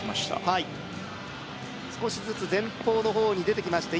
はい少しずつ前方の方に出てきまして